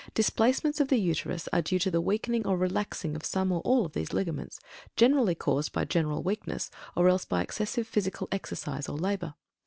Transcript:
Displacements of the Uterus are due to the weakening or relaxing of some or all of these ligaments, generally caused by general weakness or else by excessive physical exercise or labor.